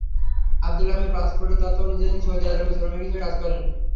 আবদুল হাকিমের পাসপোর্টের তথ্য অনুযায়ী তিনি সৌদি আরবে শ্রমিক হিসেবে কাজ করেন।